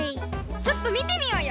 ちょっとみてみようよ！